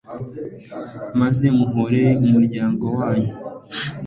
maze muhorere umuryango wanyu